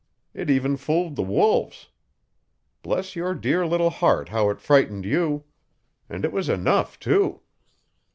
It even fooled the wolves. Bless your dear little heart how it frightened you! And it was enough, too.